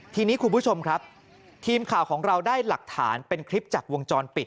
ทีนี้คุณผู้ชมครับทีมข่าวของเราได้หลักฐานเป็นคลิปจากวงจรปิด